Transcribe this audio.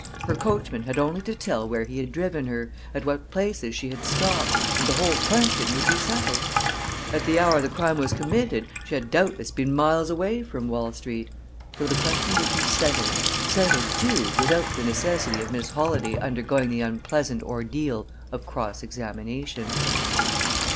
Her coachman had only to tell where he had driven her, at what places she had stopped, and the whole question would be settled. At the hour the crime was committed, she had doubtless been miles away from Wall Street! So the question would be settled settled, too, without the necessity of Miss Holladay undergoing the unpleasant ordeal of cross examination.